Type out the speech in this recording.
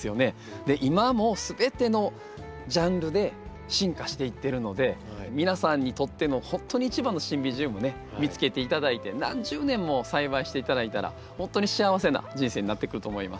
今も全てのジャンルで進化していってるので皆さんにとってのほんとに一番のシンビジウムね見つけて頂いて何十年も栽培して頂いたらほんとに幸せな人生になってくると思います。